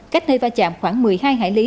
cách nơi va chạm khoảng một mươi hai hải lý